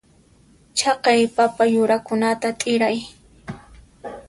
Chaqay papa yurakunata t'iray.